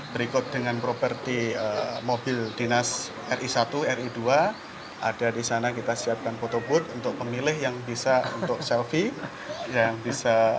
berikut dengan properti mobil dinas ri satu ri dua ada di sana kita siapkan photobooth untuk pemilih yang bisa untuk selfie yang bisa